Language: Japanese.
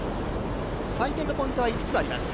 採点のポイントは５つあります。